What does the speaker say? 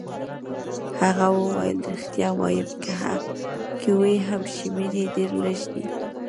هغه وویل: ریښتیا وایم، که وي هم شمېر يې ډېر لږ دی.